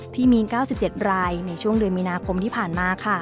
ที่มี๙๗รายในช่วงเดือนมีนาคมที่ผ่านมา